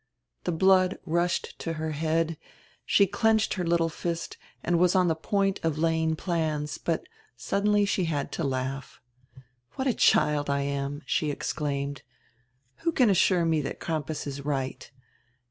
The blood rushed to her head, she clenched her little fist, and was on the point of laying plans, but suddenly she had to laugh. "What a child I am!" she exclaimed. "Who can assure me diat Crampas is right?